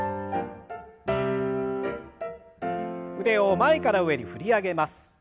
腕を前から上に振り上げます。